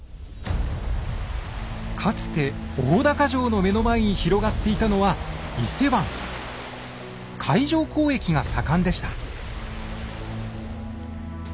かつて大高城の目の前に広がっていたのは海上交易が盛んでした。